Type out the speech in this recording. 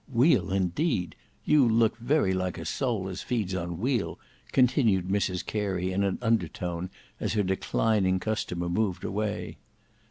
Weal, indeed! you look very like a soul as feeds on weal," continued Mrs Carey in an under tone as her declining customer moved away.